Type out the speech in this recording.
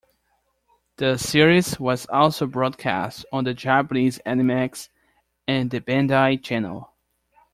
The series was also broadcast on the Japanese Animax and the Bandai Channel.